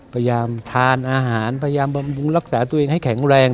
พยายามทานอาหารพยายามบำรุงรักษาตัวเองให้แข็งแรง